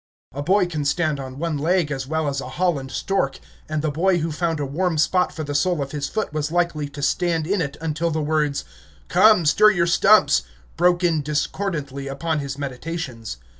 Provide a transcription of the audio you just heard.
A boy can stand on one leg as well as a Holland stork; and the boy who found a warm spot for the sole of his foot was likely to stand in it until the words, "Come, stir your stumps," broke in discordantly upon his meditations.